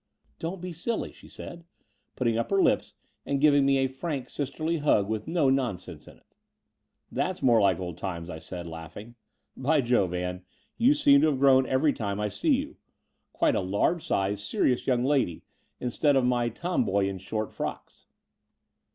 "Don't be silly," she said, putting up her Ups and giving me a frank sisterly hug with no non sense in it. "That's more like old times," I said, laugh ing. "By Jove, Ann, you seem to have grown every time I see you — quite a large size, serious e The Brighton Road 85 young lady instead of my tomboy in short 1 frocks."